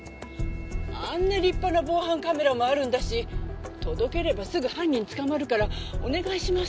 あんな立派な防犯カメラもあるんだし届ければすぐ犯人捕まるからお願いしますって言ったのに。